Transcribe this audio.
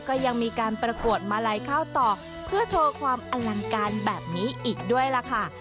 ก็ยังมีการประกวดมาลัยข้าวตอกเพื่อโชว์ความอลังการแบบนี้อีกด้วยล่ะค่ะ